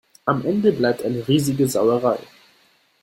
Am Ende bleibt eine riesige Sauerei.